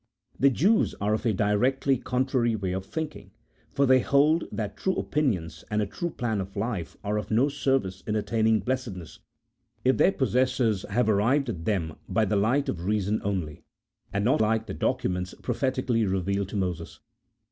The Jews are of a directly contrary way of thinking, for they hold that true opinions and a true plan of life are of no service in attaining blessedness, if their possessors have 80 A THEOLOGICO POLITICAL TREATISE. [CHAP. V. arrived at them by the light of reason only, and not like the documents prophetically revealed to Moses.